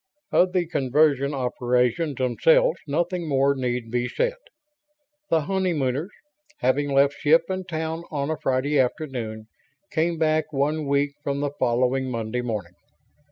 Of the conversion operations themselves, nothing more need be said. The honeymooners, having left ship and town on a Friday afternoon, came back one week from the following Monday morning.